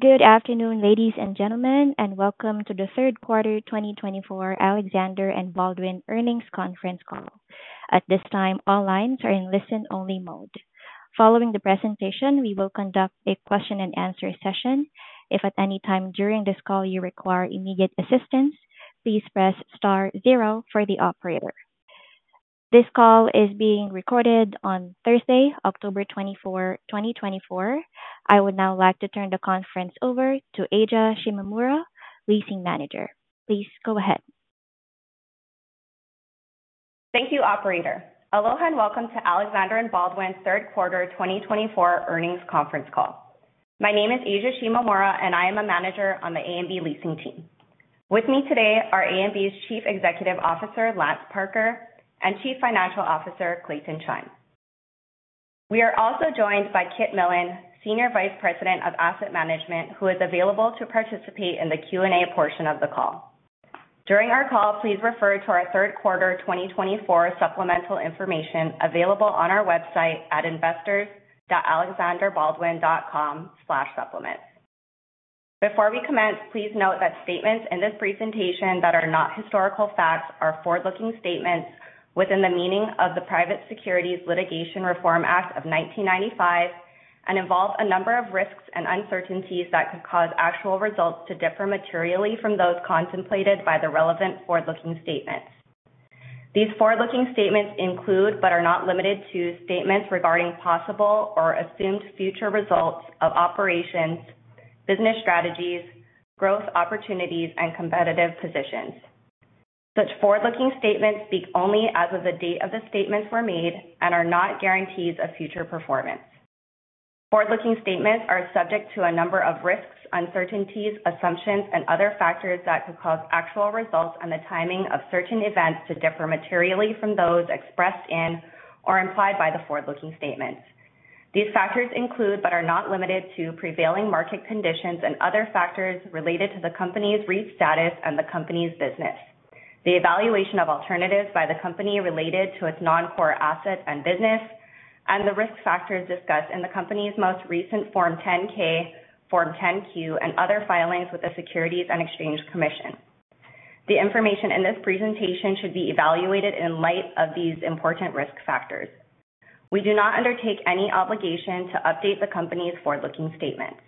Good afternoon, ladies and gentlemen, and welcome to the third quarter 2024 Alexander & Baldwin earnings conference call. At this time, all lines are in listen-only mode. Following the presentation, we will conduct a question-and-answer session. If at any time during this call you require immediate assistance, please press star zero for the operator. This call is being recorded on Thursday, October 24, 2024. I would now like to turn the conference over to Aja Shimomura, Leasing Manager. Please go ahead. Thank you, operator. Aloha, and welcome to Alexander & Baldwin's third quarter 2024 earnings conference call. My name is Aja Shimomura, and I am a manager on the A&B Leasing team. With me today are A&B's Chief Executive Officer, Lance Parker, and Chief Financial Officer, Clayton Chun. We are also joined by Kit Millan, Senior Vice President of Asset Management, who is available to participate in the Q&A portion of the call. During our call, please refer to our third quarter 2024 supplemental information available on our website at investors.alexanderbaldwin.com/supplement. Before we commence, please note that statements in this presentation that are not historical facts are forward-looking statements within the meaning of the Private Securities Litigation Reform Act of 1995 and involve a number of risks and uncertainties that could cause actual results to differ materially from those contemplated by the relevant forward-looking statements. These forward-looking statements include, but are not limited to, statements regarding possible or assumed future results of operations, business strategies, growth opportunities, and competitive positions. Such forward-looking statements speak only as of the date of the statements were made and are not guarantees of future performance. Forward-looking statements are subject to a number of risks, uncertainties, assumptions, and other factors that could cause actual results and the timing of certain events to differ materially from those expressed in or implied by the forward-looking statements. These factors include, but are not limited to, prevailing market conditions and other factors related to the company's REIT status and the company's business, the evaluation of alternatives by the company related to its non-core assets and business, and the risk factors discussed in the company's most recent Form 10-K, Form 10-Q, and other filings with the Securities and Exchange Commission. The information in this presentation should be evaluated in light of these important risk factors. We do not undertake any obligation to update the company's forward-looking statements.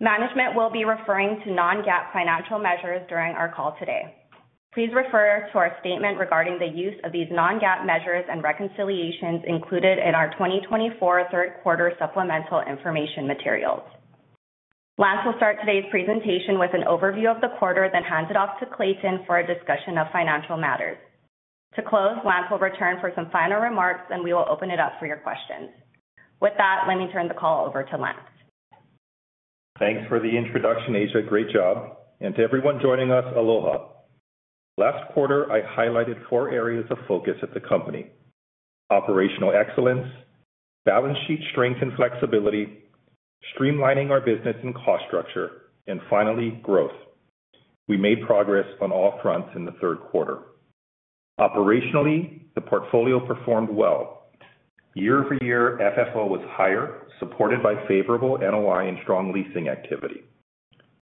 Management will be referring to non-GAAP financial measures during our call today. Please refer to our statement regarding the use of these non-GAAP measures and reconciliations included in our 2024 third quarter supplemental information materials. Lance will start today's presentation with an overview of the quarter, then hand it off to Clayton for a discussion of financial matters. To close, Lance will return for some final remarks, and we will open it up for your questions. With that, let me turn the call over to Lance. Thanks for the introduction, Aja. Great job, and to everyone joining us, Aloha. Last quarter, I highlighted four areas of focus at the company: operational excellence, balance sheet strength and flexibility, streamlining our business and cost structure, and finally, growth. We made progress on all fronts in the third quarter. Operationally, the portfolio performed well. Year over year, FFO was higher, supported by favorable NOI and strong leasing activity.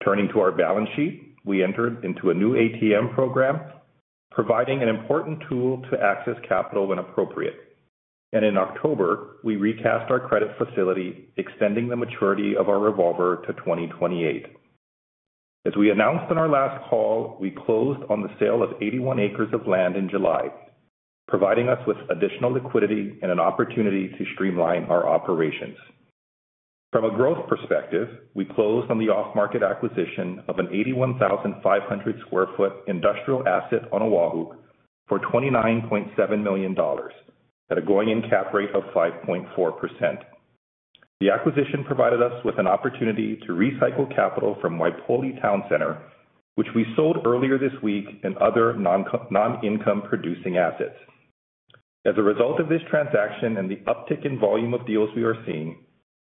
Turning to our balance sheet, we entered into a new ATM program, providing an important tool to access capital when appropriate, and in October, we recast our credit facility, extending the maturity of our revolver to 2028. As we announced on our last call, we closed on the sale of 81 acres of land in July, providing us with additional liquidity and an opportunity to streamline our operations. From a growth perspective, we closed on the off-market acquisition of an 81,500 sq. ft. industrial asset on Oahu for $29.7 million at a going-in cap rate of 5.4%. The acquisition provided us with an opportunity to recycle capital from Waipouli Town Center, which we sold earlier this week, and other non-income producing assets. As a result of this transaction and the uptick in volume of deals we are seeing,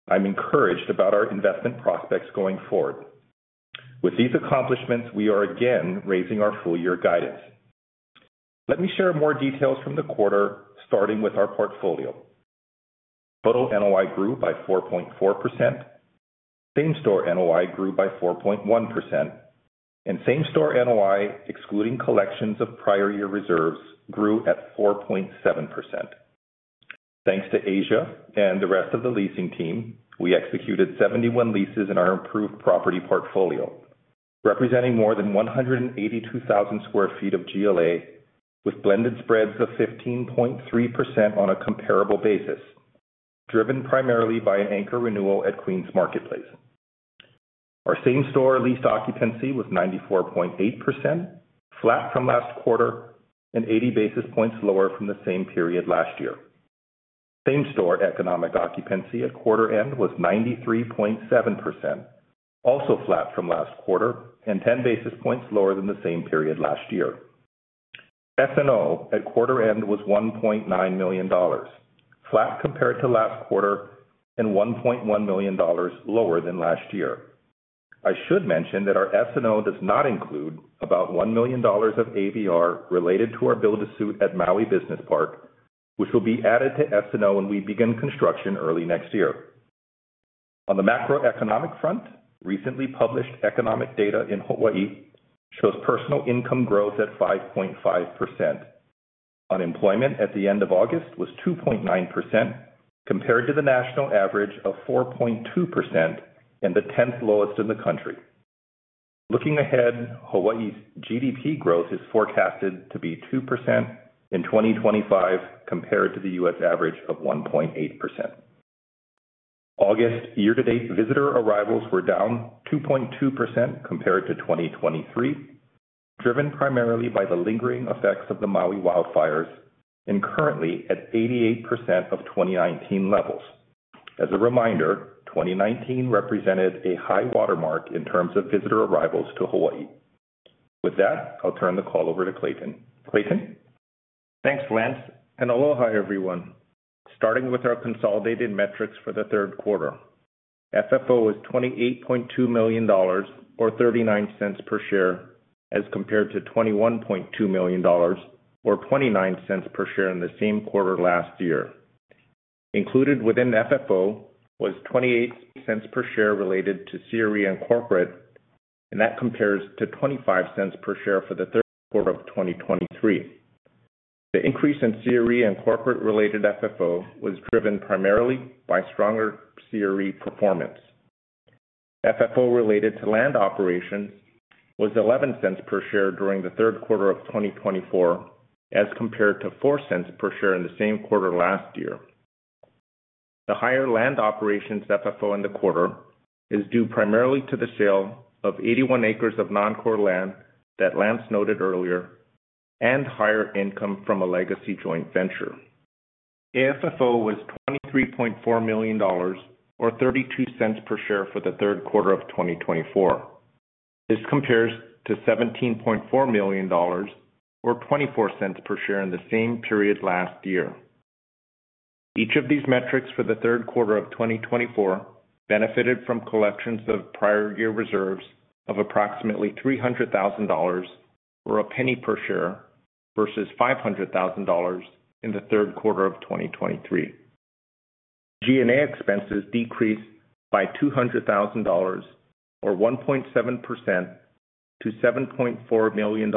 I'm encouraged about our investment prospects going forward. With these accomplishments, we are again raising our full year guidance. Let me share more details from the quarter, starting with our portfolio. Total NOI grew by 4.4%, same-store NOI grew by 4.1%, and same-store NOI, excluding collections of prior year reserves, grew at 4.7%. Thanks to Aja and the rest of the leasing team, we executed 71 leases in our improved property portfolio, representing more than 182,000 sq. ft. of GLA, with blended spreads of 15.3% on a comparable basis, driven primarily by an anchor renewal at Queens Marketplace. Our same-store leased occupancy was 94.8%, flat from last quarter and eighty basis points lower from the same period last year. Same-store economic occupancy at quarter end was 93.7%, also flat from last quarter and ten basis points lower than the same period last year. SNO at quarter end was $1.9 million, flat compared to last quarter and $1.1 million lower than last year. I should mention that our SNO does not include about $1 million of ABR related to our build-to-suit at Maui Business Park, which will be added to SNO when we begin construction early next year. On the macroeconomic front, recently published economic data in Hawaii shows personal income growth at 5.5%. Unemployment at the end of August was 2.9%, compared to the national average of 4.2% and the tenth lowest in the country. Looking ahead, Hawaii's GDP growth is forecasted to be 2% in 2025, compared to the US average of 1.8%. August year-to-date visitor arrivals were down 2.2% compared to 2023, driven primarily by the lingering effects of the Maui wildfires and currently at 88% of 2019 levels. As a reminder, 2019 represented a high watermark in terms of visitor arrivals to Hawaii. With that, I'll turn the call over to Clayton. Clayton? Thanks, Lance, and aloha, everyone. Starting with our consolidated metrics for the third quarter. FFO was $28.2 million, or 39 cents per share, as compared to $21.2 million, or 29 cents per share in the same quarter last year. Included within the FFO was 28 cents per share related to CRE and corporate, and that compares to 25 cents per share for the third quarter of 2023. The increase in CRE and corporate-related FFO was driven primarily by stronger CRE performance. FFO related to land operations was 11 cents per share during the third quarter of 2024, as compared to 4 cents per share in the same quarter last year. The higher land operations FFO in the quarter is due primarily to the sale of 81 acres of noncore land that Lance noted earlier, and higher income from a legacy joint venture. AFFO was $23.4 million, or $0.32 per share for the third quarter of 2024. This compares to $17.4 million, or $0.24 per share in the same period last year. Each of these metrics for the third quarter of 2024 benefited from collections of prior year reserves of approximately $300,000, or $0.01 per share, versus $500,000 in the third quarter of 2023. G&A expenses decreased by $200,000, or 1.7% to $7.4 million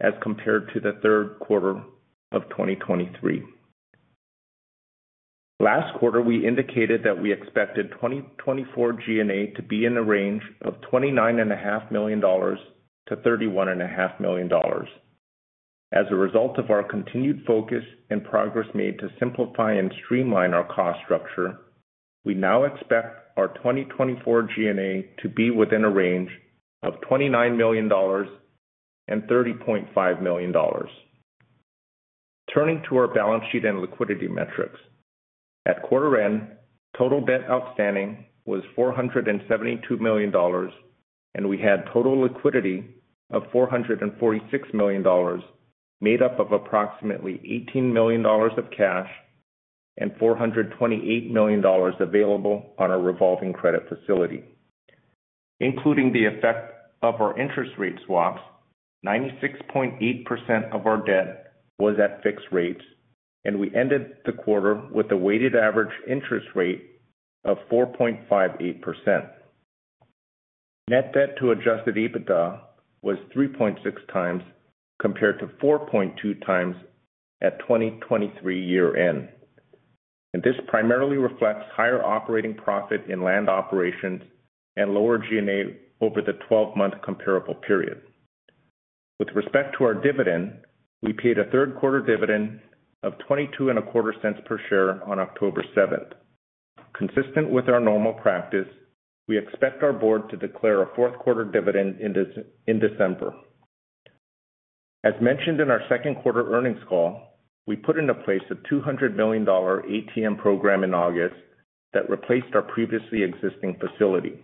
as compared to the third quarter of 2023. Last quarter, we indicated that we expected 2024 G&A to be in the range of $29.5 million to $31.5 million. As a result of our continued focus and progress made to simplify and streamline our cost structure, we now expect our 2024 G&A to be within a range of $29 million-$30.5 million. Turning to our balance sheet and liquidity metrics. At quarter end, total debt outstanding was $472 million, and we had total liquidity of $446 million, made up of approximately $18 million of cash and $428 million available on our revolving credit facility. Including the effect of our interest rate swaps, 96.8% of our debt was at fixed rates, and we ended the quarter with a weighted average interest rate of 4.58%. Net debt to Adjusted EBITDA was 3.6 times, compared to 4.2 times at 2023 year-end. This primarily reflects higher operating profit in land operations and lower G&A over the twelve-month comparable period. With respect to our dividend, we paid a third quarter dividend of $0.2225 per share on October seventh. Consistent with our normal practice, we expect our board to declare a fourth quarter dividend in December. As mentioned in our second quarter earnings call, we put into place a $200 million ATM program in August that replaced our previously existing facility.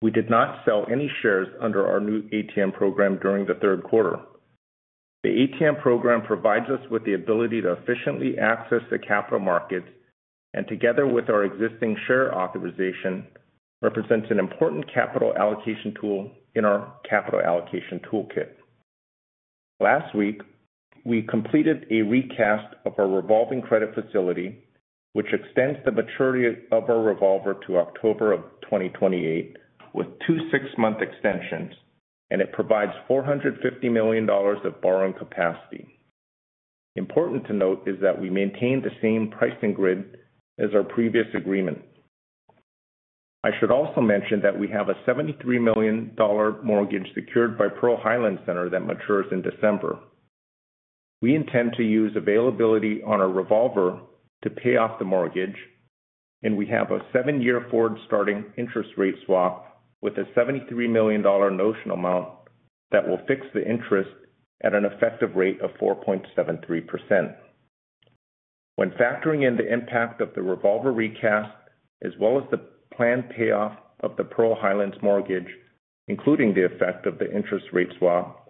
We did not sell any shares under our new ATM program during the third quarter. The ATM program provides us with the ability to efficiently access the capital markets and together with our existing share authorization, represents an important capital allocation tool in our capital allocation toolkit. Last week, we completed a recast of our revolving credit facility, which extends the maturity of our revolver to October 2028, with two six-month extensions, and it provides $450 million of borrowing capacity. Important to note is that we maintain the same pricing grid as our previous agreement. I should also mention that we have a $73 million mortgage secured by Pearl Highlands Center that matures in December. We intend to use availability on our revolver to pay off the mortgage, and we have a seven-year forward starting interest rate swap with a $73 million notional amount that will fix the interest at an effective rate of 4.73%. When factoring in the impact of the revolver recast, as well as the planned payoff of the Pearl Highlands mortgage, including the effect of the interest rate swap,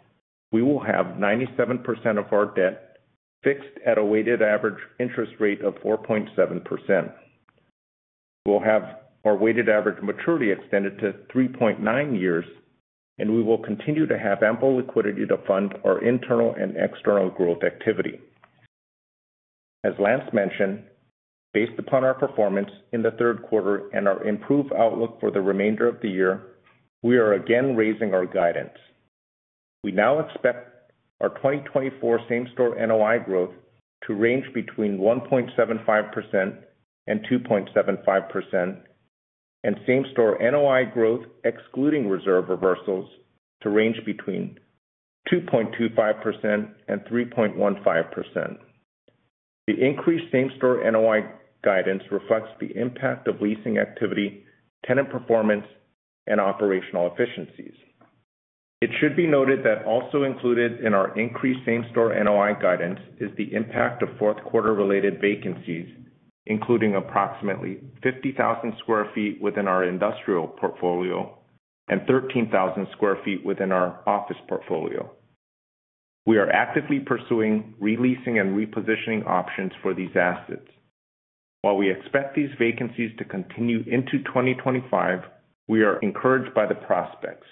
we will have 97% of our debt fixed at a weighted average interest rate of 4.7%. We'll have our weighted average maturity extended to 3.9 years, and we will continue to have ample liquidity to fund our internal and external growth activity. As Lance mentioned, based upon our performance in the third quarter and our improved outlook for the remainder of the year, we are again raising our guidance. We now expect our 2024 same-store NOI growth to range between 1.75% and 2.75%, and same-store NOI growth, excluding reserve reversals, to range between 2.25% and 3.15%. The increased same-store NOI guidance reflects the impact of leasing activity, tenant performance, and operational efficiencies. It should be noted that also included in our increased same-store NOI guidance is the impact of fourth quarter-related vacancies, including approximately 50,000 sq. ft. within our industrial portfolio and 13,000 sq. ft. within our office portfolio. We are actively pursuing re-leasing and repositioning options for these assets. While we expect these vacancies to continue into 2025, we are encouraged by the prospects.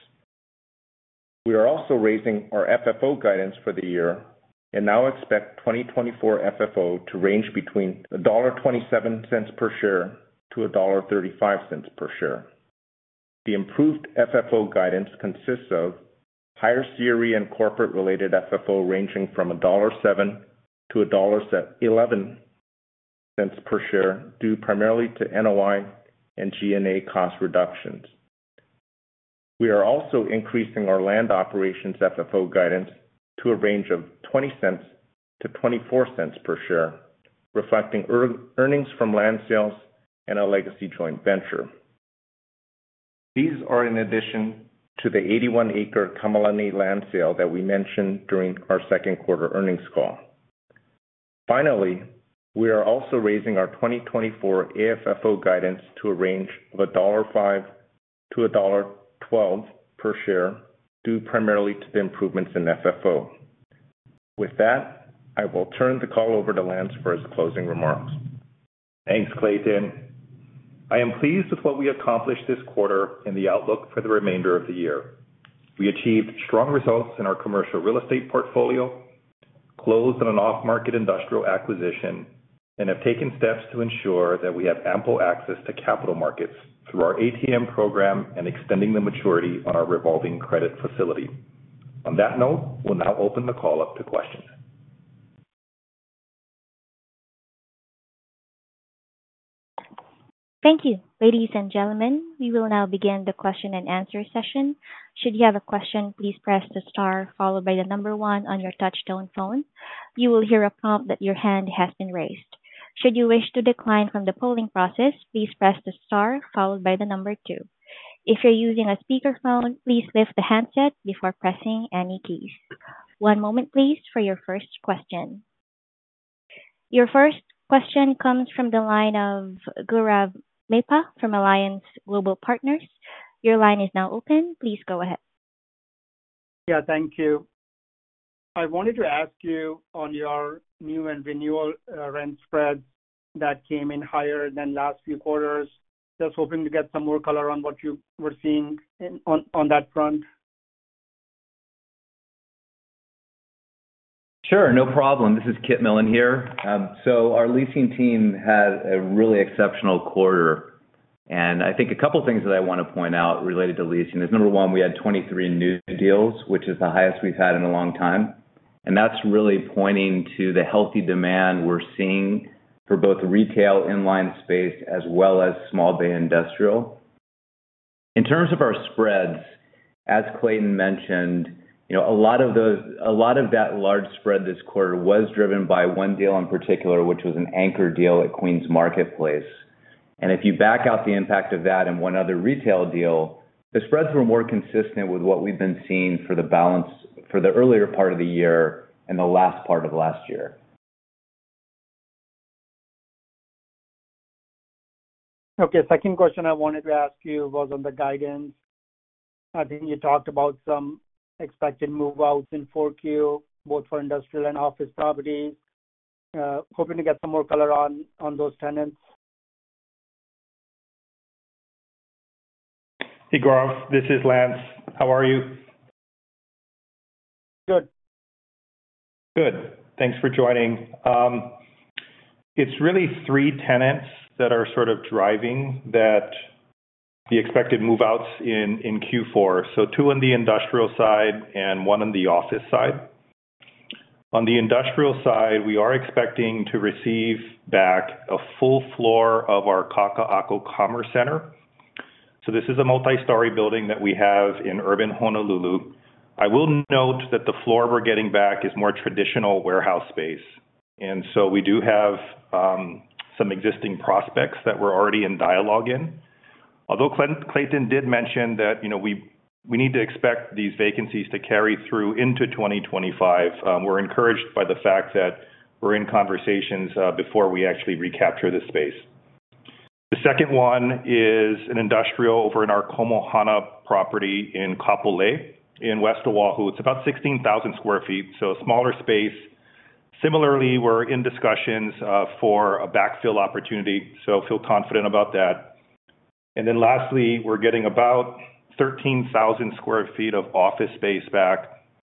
We are also raising our FFO guidance for the year and now expect twenty twenty-four FFO to range between $1.27 per share and $1.35 per share. The improved FFO guidance consists of higher CRE and corporate-related FFO, ranging from $1.07 to $1.11 per share, due primarily to NOI and G&A cost reductions. We are also increasing our land operations FFO guidance to a range of $0.20-$0.24 per share, reflecting earnings from land sales and our legacy joint venture. These are in addition to the 81-acre Kamalani land sale that we mentioned during our second quarter earnings call. Finally, we are also raising our 2024 AFFO guidance to a range of $1.05-$1.12 per share, due primarily to the improvements in FFO. With that, I will turn the call over to Lance for his closing remarks. Thanks, Clayton. I am pleased with what we accomplished this quarter and the outlook for the remainder of the year. We achieved strong results in our commercial real estate portfolio, closed on an off-market industrial acquisition, and have taken steps to ensure that we have ample access to capital markets through our ATM program and extending the maturity on our revolving credit facility. On that note, we'll now open the call up to questions. Thank you. Ladies and gentlemen, we will now begin the question and answer session. Should you have a question, please press the star followed by the number one on your touchtone phone. You will hear a prompt that your hand has been raised. Should you wish to decline from the polling process, please press the star followed by the number two. If you're using a speakerphone, please lift the handset before pressing any keys. One moment, please, for your first question. Your first question comes from the line of Gaurav Mehta from Alliance Global Partners. Your line is now open. Please go ahead. Yeah, thank you. I wanted to ask you on your new and renewal rent spreads that came in higher than last few quarters. Just hoping to get some more color on what you were seeing in on that front. Sure, no problem. This is Kit Millan here. So our leasing team had a really exceptional quarter, and I think a couple of things that I want to point out related to leasing is, number one, we had 23 new deals, which is the highest we've had in a long time. And that's really pointing to the healthy demand we're seeing for both retail inline space as well as small bay industrial. In terms of our spreads, as Clayton mentioned, you know, a lot of that large spread this quarter was driven by one deal in particular, which was an anchor deal at Queens Marketplace. And if you back out the impact of that and one other retail deal, the spreads were more consistent with what we've been seeing for the balance for the earlier part of the year and the last part of last year. Okay, second question I wanted to ask you was on the guidance. I think you talked about some expected move-outs in Q4, both for industrial and office properties. Hoping to get some more color on those tenants. Hey, Gaurav, this is Lance. How are you? Good. Good. Thanks for joining. It's really three tenants that are sort of driving that the expected move-outs in Q4. So two on the industrial side and one on the office side. On the industrial side, we are expecting to receive back a full floor of our Kaka'ako Commerce Center. So this is a multi-story building that we have in urban Honolulu. I will note that the floor we're getting back is more traditional warehouse space, and so we do have some existing prospects that we're already in dialogue in. Although Clayton did mention that, you know, we need to expect these vacancies to carry through into 2025, we're encouraged by the fact that we're in conversations before we actually recapture the space. The second one is an industrial over in our Komohana property in Kapolei, in West Oahu. It's about 16,000 sq. ft., so a smaller space.... similarly, we're in discussions for a backfill opportunity, so feel confident about that. And then lastly, we're getting about 13,000 sq. ft. of office space back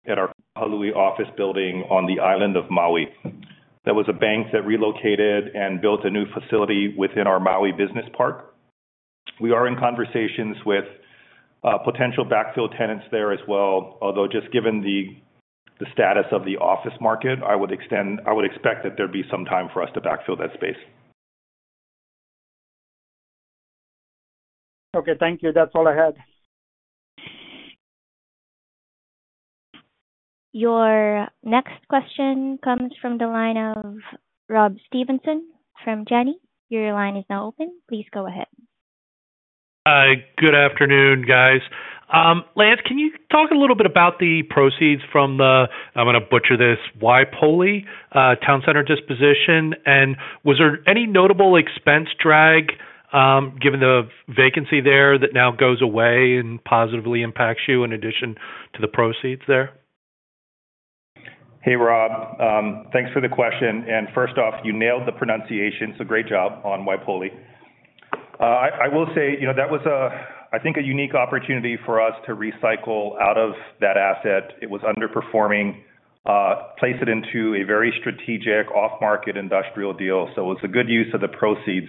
at our Kahului Office Building on the island of Maui. That was a bank that relocated and built a new facility within our Maui Business Park. We are in conversations with potential backfill tenants there as well. Although, just given the status of the office market, I would expect that there'd be some time for us to backfill that space. Okay, thank you. That's all I had. Your next question comes from the line of Rob Stevenson from Janney. Your line is now open. Please go ahead. Hi, good afternoon, guys. Lance, can you talk a little bit about the proceeds from the, I'm gonna butcher this, Waipouli Town Center Disposition? And was there any notable expense drag, given the vacancy there that now goes away and positively impacts you in addition to the proceeds there? Hey, Rob, thanks for the question. And first off, you nailed the pronunciation, so great job on Waipouli. I will say, you know, that was, I think, a unique opportunity for us to recycle out of that asset. It was underperforming, place it into a very strategic off-market industrial deal, so it was a good use of the proceeds.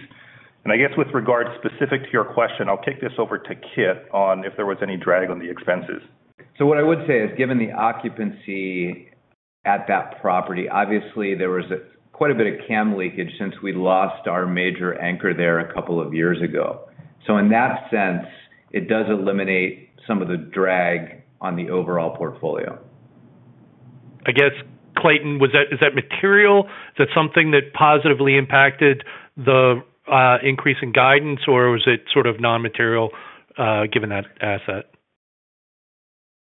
And I guess with regards specific to your question, I'll kick this over to Kit on if there was any drag on the expenses. So what I would say is, given the occupancy at that property, obviously there was quite a bit of CAM leakage since we lost our major anchor there a couple of years ago. So in that sense, it does eliminate some of the drag on the overall portfolio. I guess, Clayton, was that—is that material? Is that something that positively impacted the increase in guidance, or was it sort of non-material, given that asset?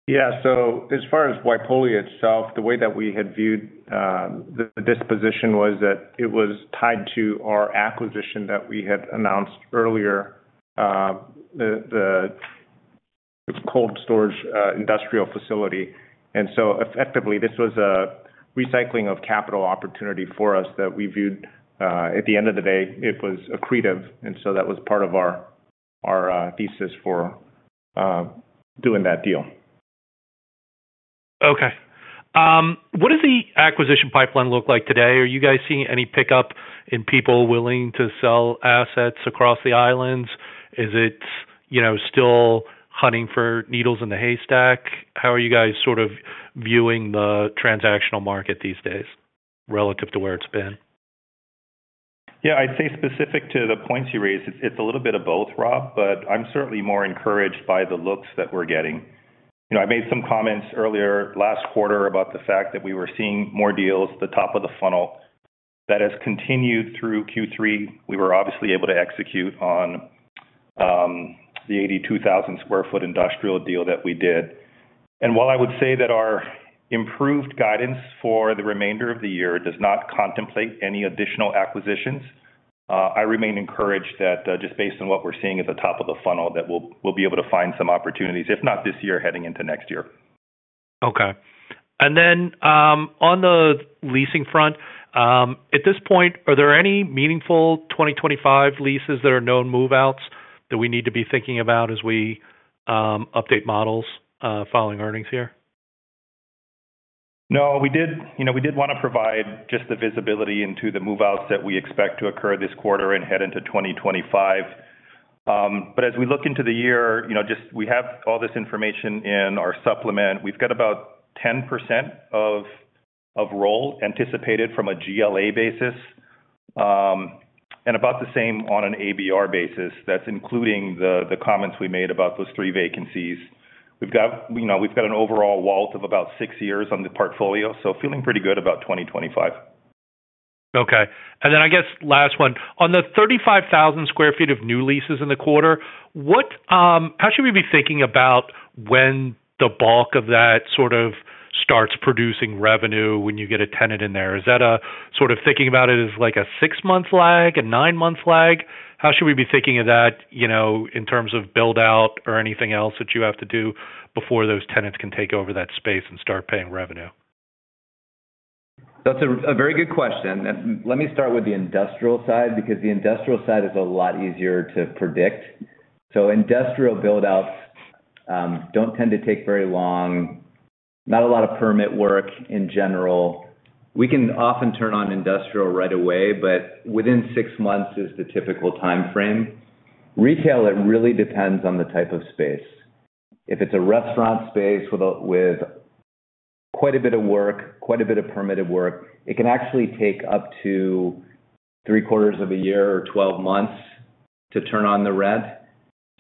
Yeah, so as far as Waipouli itself, the way that we had viewed, the disposition was that it was tied to our acquisition that we had announced earlier, the cold storage industrial facility. And so effectively, this was a recycling of capital opportunity for us that we viewed, at the end of the day, it was accretive, and so that was part of our thesis for doing that deal. Okay. What does the acquisition pipeline look like today? Are you guys seeing any pickup in people willing to sell assets across the islands? Is it, you know, still hunting for needles in the haystack? How are you guys sort of viewing the transactional market these days relative to where it's been? Yeah, I'd say specific to the points you raised, it's a little bit of both, Rob, but I'm certainly more encouraged by the looks that we're getting. You know, I made some comments earlier last quarter about the fact that we were seeing more deals at the top of the funnel. That has continued through Q3. We were obviously able to execute on the 82,000 sq. ft. industrial deal that we did. And while I would say that our improved guidance for the remainder of the year does not contemplate any additional acquisitions, I remain encouraged that just based on what we're seeing at the top of the funnel, that we'll be able to find some opportunities, if not this year, heading into next year. Okay. And then, on the leasing front, at this point, are there any meaningful 2025 leases that are known move-outs that we need to be thinking about as we update models following earnings here? No, we did, you know, we did want to provide just the visibility into the move-outs that we expect to occur this quarter and head into 2025, but as we look into the year, you know, just we have all this information in our supplement. We've got about 10% of rollover anticipated from a GLA basis, and about the same on an ABR basis. That's including the comments we made about those three vacancies. We've got, you know, we've got an overall weighted of about six years on the portfolio, so feeling pretty good about 2025. Okay. And then I guess last one. On the 35,000 sq. ft. of new leases in the quarter, what, how should we be thinking about when the bulk of that sort of starts producing revenue when you get a tenant in there? Is that a, sort of thinking about it as like a six-month lag, a nine-month lag? How should we be thinking of that, you know, in terms of build-out or anything else that you have to do before those tenants can take over that space and start paying revenue? That's a very good question, and let me start with the industrial side, because the industrial side is a lot easier to predict, so industrial build-outs don't tend to take very long. Not a lot of permit work in general. We can often turn on industrial right away, but within six months is the typical timeframe. Retail, it really depends on the type of space. If it's a restaurant space with quite a bit of work, quite a bit of permitted work, it can actually take up to three quarters of a year or 12 months to turn on the rent,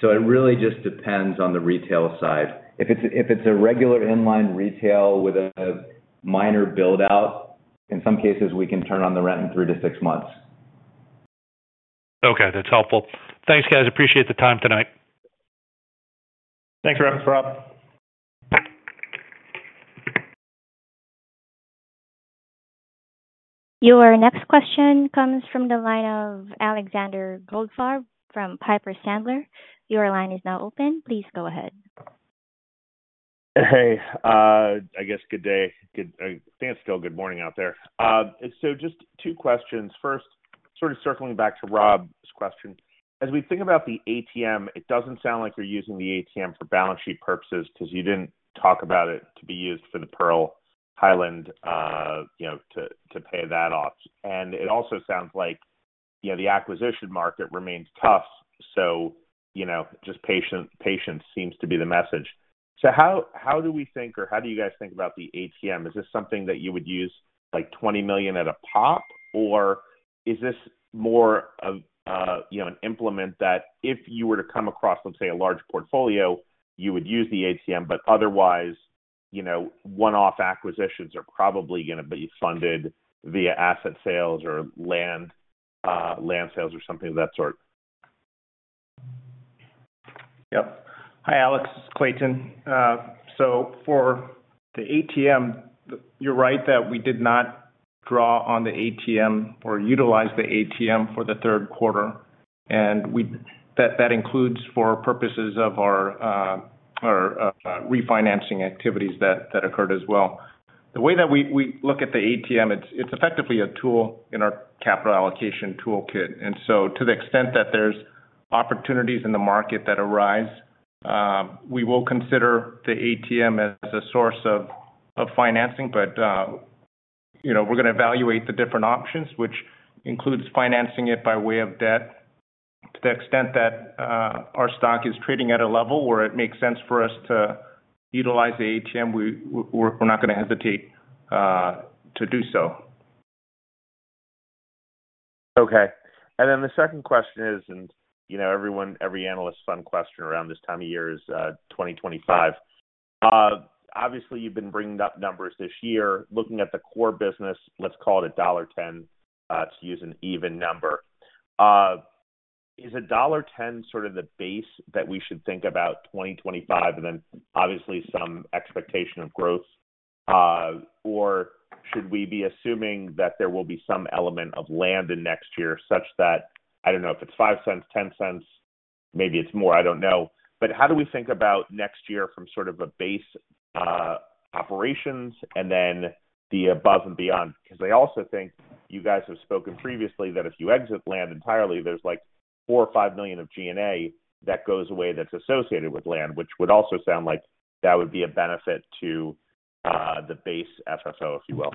so it really just depends on the retail side. If it's a regular inline retail with a minor build-out, in some cases, we can turn on the rent in three to six months. Okay, that's helpful. Thanks, guys. Appreciate the time tonight. Thanks, Rob. Your next question comes from the line of Alexander Goldfarb from Piper Sandler. Your line is now open. Please go ahead. ... Hey, I guess good day. Good. I think it's still good morning out there. So just two questions. First, sort of circling back to Rob's question. As we think about the ATM, it doesn't sound like you're using the ATM for balance sheet purposes, because you didn't talk about it to be used for the Pearl Highlands, you know, to pay that off. And it also sounds like, you know, the acquisition market remains tough. So, you know, just patience seems to be the message. So how do we think, or how do you guys think about the ATM? Is this something that you would use, like, 20 million at a pop? Or is this more of, you know, an implement that if you were to come across, let's say, a large portfolio, you would use the ATM, but otherwise, you know, one-off acquisitions are probably gonna be funded via asset sales or land sales or something of that sort? Yep. Hi, Alex, it's Clayton. So for the ATM, you're right that we did not draw on the ATM or utilize the ATM for the third quarter, and that includes for purposes of our refinancing activities that occurred as well. The way that we look at the ATM, it's effectively a tool in our capital allocation toolkit. And so to the extent that there's opportunities in the market that arise, we will consider the ATM as a source of financing. But, you know, we're gonna evaluate the different options, which includes financing it by way of debt. To the extent that our stock is trading at a level where it makes sense for us to utilize the ATM, we're not gonna hesitate to do so. Okay. And then the second question is, you know, everyone, every analyst fun question around this time of year is 2025. Obviously, you've been bringing up numbers this year. Looking at the core business, let's call it $1.10 to use an even number. Is $1.10 sort of the base that we should think about 2025, and then obviously some expectation of growth? Or should we be assuming that there will be some element of land in next year such that I don't know if it's $0.05, $0.10, maybe it's more, I don't know. But how do we think about next year from sort of a base, operations and then the above and beyond? Because I also think you guys have spoken previously, that if you exit land entirely, there's like $4 million-$5 million of G&A that goes away that's associated with land, which would also sound like that would be a benefit to the base FFO, if you will.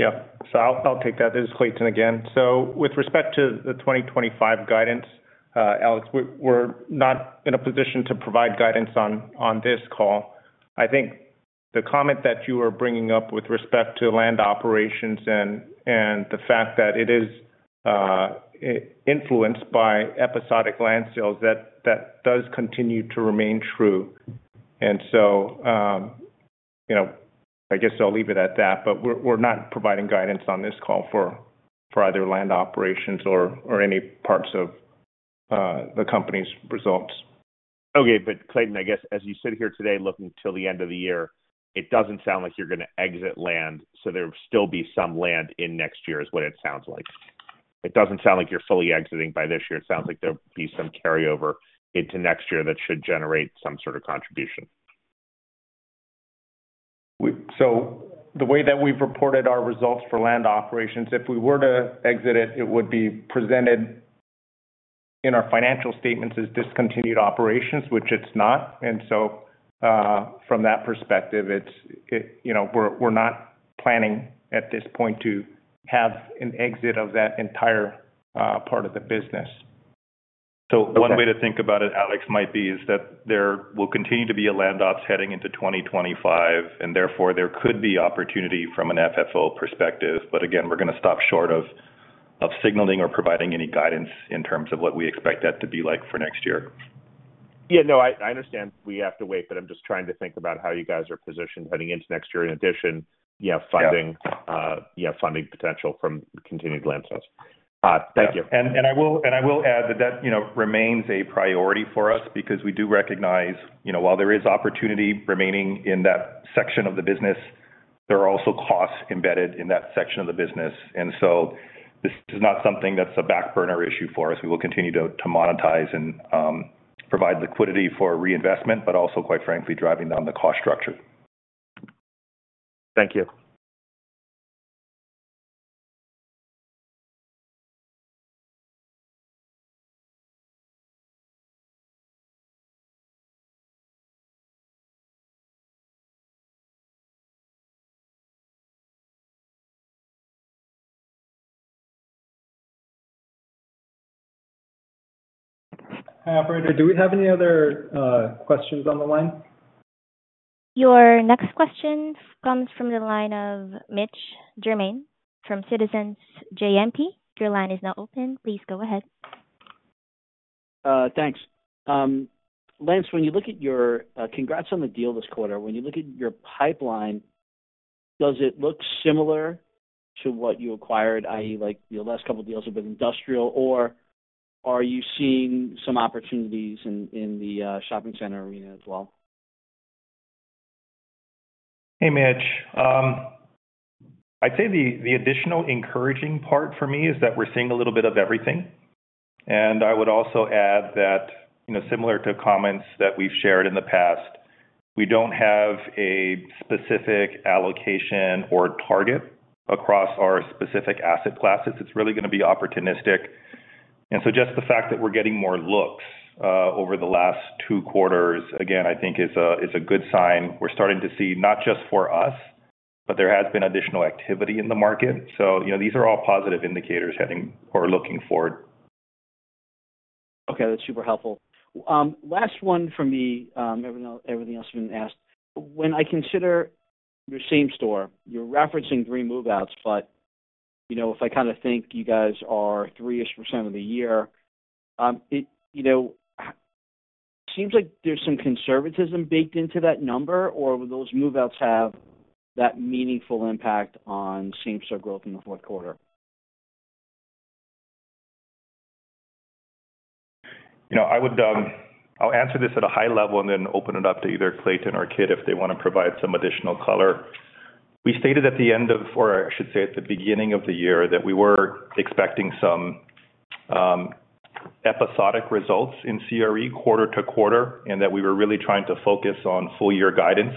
Yeah. So I'll take that. This is Clayton again. So with respect to the 2025 guidance, Alex, we're not in a position to provide guidance on this call. I think the comment that you are bringing up with respect to land operations and the fact that it is influenced by episodic land sales, that does continue to remain true. And so, you know, I guess I'll leave it at that, but we're not providing guidance on this call for either land operations or any parts of the company's results. Okay, but Clayton, I guess as you sit here today, looking till the end of the year, it doesn't sound like you're gonna exit land, so there will still be some land in next year, is what it sounds like. It doesn't sound like you're fully exiting by this year. It sounds like there will be some carryover into next year that should generate some sort of contribution. So the way that we've reported our results for land operations, if we were to exit it, it would be presented in our financial statements as discontinued operations, which it's not. And so, from that perspective, it's, you know, we're not planning at this point to have an exit of that entire part of the business. So one way to think about it, Alex, might be, is that there will continue to be a land ops heading into 2025, and therefore there could be opportunity from an FFO perspective. But again, we're gonna stop short of signaling or providing any guidance in terms of what we expect that to be like for next year. Yeah, no, I understand we have to wait, but I'm just trying to think about how you guys are positioned heading into next year. In addition, you have funding, you have funding potential from continued land sales. Thank you. I will add that, you know, remains a priority for us because we do recognize, you know, while there is opportunity remaining in that section of the business, there are also costs embedded in that section of the business. And so this is not something that's a back burner issue for us. We will continue to monetize and provide liquidity for reinvestment, but also, quite frankly, driving down the cost structure. Thank you. Hi, operator, do we have any other questions on the line? Your next question comes from the line of Mitch Germain from Citizens JMP. Your line is now open. Please go ahead. Thanks. Lance, congrats on the deal this quarter. When you look at your pipeline, does it look similar to what you acquired, i.e., like, your last couple deals have been industrial, or are you seeing some opportunities in the shopping center arena as well?... Hey, Mitch. I'd say the additional encouraging part for me is that we're seeing a little bit of everything. And I would also add that, you know, similar to comments that we've shared in the past, we don't have a specific allocation or target across our specific asset classes. It's really gonna be opportunistic. And so just the fact that we're getting more looks over the last two quarters, again, I think is a good sign. We're starting to see, not just for us, but there has been additional activity in the market. So, you know, these are all positive indicators heading or looking forward. Okay, that's super helpful. Last one for me, everything else has been asked. When I consider your same store, you're referencing three move-outs, but, you know, if I kinda think you guys are three-ish% of the year, you know, seems like there's some conservatism baked into that number, or will those move-outs have that meaningful impact on same store growth in the fourth quarter? You know, I would, I'll answer this at a high level and then open it up to either Clayton or Kit if they wanna provide some additional color. We stated at the end of, or I should say, at the beginning of the year, that we were expecting some episodic results in CRE quarter to quarter, and that we were really trying to focus on full year guidance.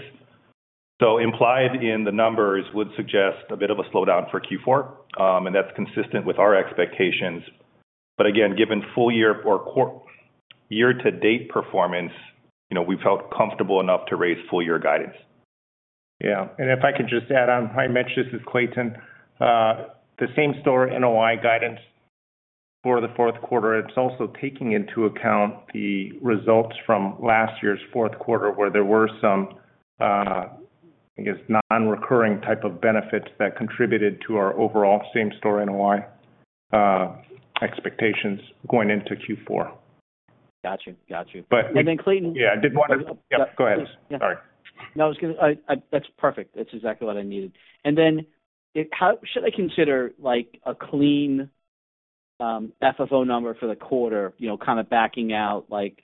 So implied in the numbers would suggest a bit of a slowdown for Q4, and that's consistent with our expectations. But again, given full year to date performance, you know, we felt comfortable enough to raise full year guidance. Yeah. And if I could just add on. Hi, Mitch, this is Clayton. The same-store NOI guidance for the fourth quarter, it's also taking into account the results from last year's fourth quarter, where there were some, I guess, non-recurring type of benefits that contributed to our overall same-store NOI expectations going into Q4. Got you. Got you. But- And then, Clayton- Yeah, I did wanna... Yep, go ahead. Sorry. No, I was gonna. That's perfect. That's exactly what I needed. And then, how should I consider, like, a clean FFO number for the quarter, you know, kinda backing out, like,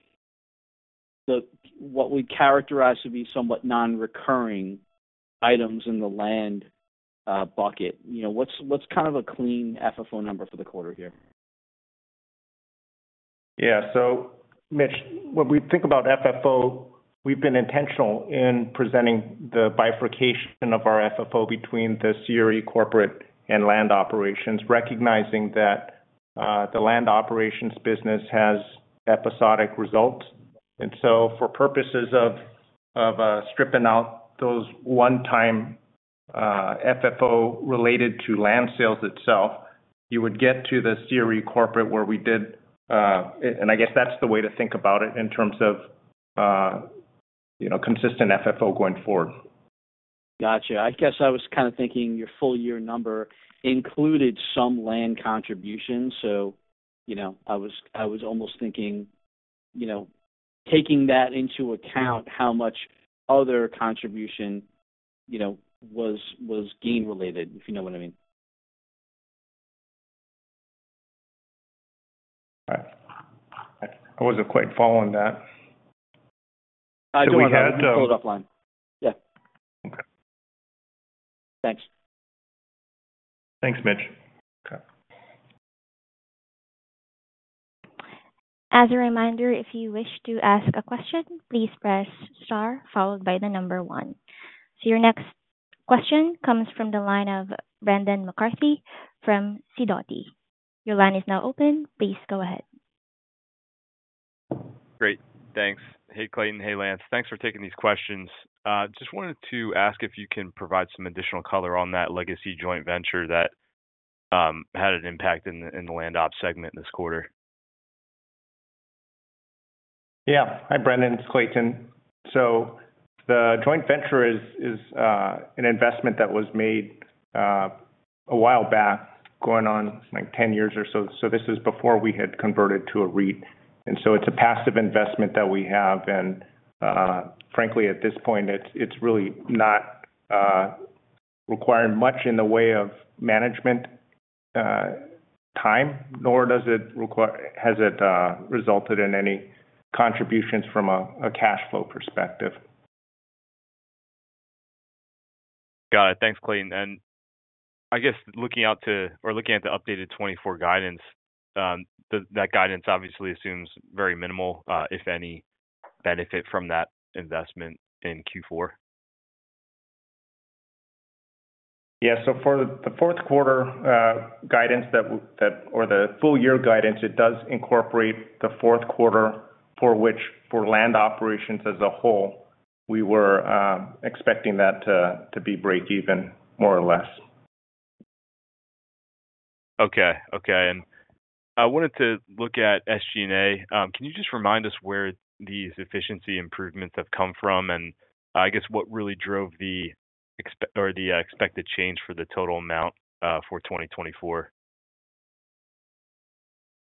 the what we characterize to be somewhat non-recurring items in the land bucket? You know, what's kind of a clean FFO number for the quarter here? Yeah. So, Mitch, when we think about FFO, we've been intentional in presenting the bifurcation of our FFO between the CRE corporate and land operations, recognizing that the land operations business has episodic results. And so for purposes of stripping out those one-time FFO related to land sales itself, you would get to the CRE corporate where we did. And I guess that's the way to think about it in terms of you know, consistent FFO going forward. Gotcha. I guess I was kind of thinking your full year number included some land contributions, so, you know, I was almost thinking, you know, taking that into account, how much other contribution, you know, was gain related, if you know what I mean? I wasn't quite following that. I know we had- We had. Yeah. Okay. Thanks. Thanks, Mitch. Okay. As a reminder, if you wish to ask a question, please press Star, followed by the number one. So your next question comes from the line of Brendan McCarthy from Sidoti. Your line is now open. Please go ahead. Great. Thanks. Hey, Clayton. Hey, Lance. Thanks for taking these questions. Just wanted to ask if you can provide some additional color on that legacy joint venture that had an impact in the land ops segment this quarter? Yeah. Hi, Brendan, it's Clayton. So the joint venture is an investment that was made a while back, going on like ten years or so. So this is before we had converted to a REIT. And so it's a passive investment that we have, and frankly, at this point, it's really not requiring much in the way of management time, nor has it resulted in any contributions from a cash flow perspective. Got it. Thanks, Clayton. I guess looking at the updated 2024 guidance, that guidance obviously assumes very minimal, if any, benefit from that investment in Q4. Yeah. So for the fourth quarter guidance that or the full year guidance, it does incorporate the fourth quarter for which, for land operations as a whole, we were expecting that to be break even, more or less. Okay. Okay, and I wanted to look at SG&A. Can you just remind us where these efficiency improvements have come from? And I guess what really drove the expected change for the total amount for 2024.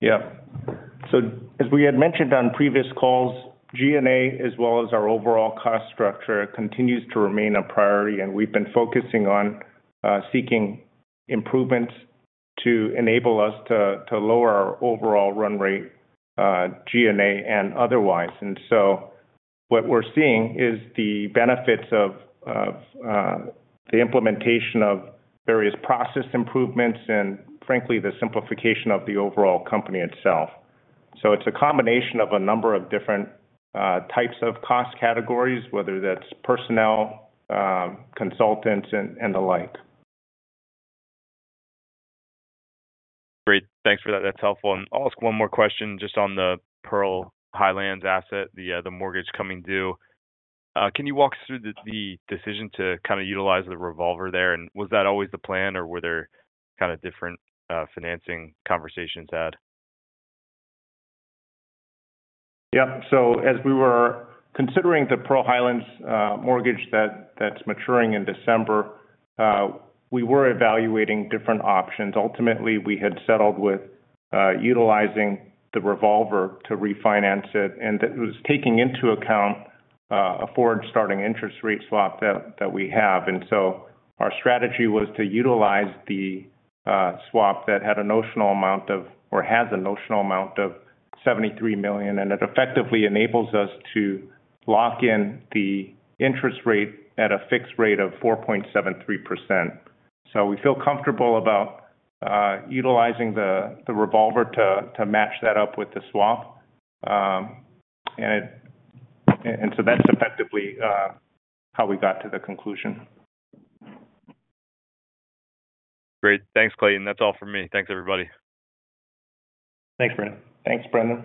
Yeah. So as we had mentioned on previous calls, G&A, as well as our overall cost structure, continues to remain a priority, and we've been focusing on seeking improvements to enable us to lower our overall run rate, G&A and otherwise. And so what we're seeing is the benefits of the implementation of various process improvements and frankly, the simplification of the overall company itself. So it's a combination of a number of different types of cost categories, whether that's personnel, consultants, and the like. Great. Thanks for that. That's helpful. And I'll ask one more question, just on the Pearl Highlands asset, the mortgage coming due. Can you walk us through the decision to kind of utilize the revolver there? And was that always the plan, or were there kind of different financing conversations had? Yeah. So as we were considering the Pearl Highlands mortgage that's maturing in December, we were evaluating different options. Ultimately, we had settled with utilizing the revolver to refinance it, and it was taking into account a forward starting interest rate swap that we have. And so our strategy was to utilize the swap that had a notional amount of, or has a notional amount of $73 million, and it effectively enables us to lock in the interest rate at a fixed rate of 4.73%. So we feel comfortable about utilizing the revolver to match that up with the swap. And so that's effectively how we got to the conclusion. Great. Thanks, Clayton. That's all for me. Thanks, everybody. Thanks, Brendan.